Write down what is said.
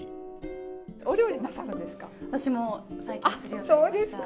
お料理なさるんですか？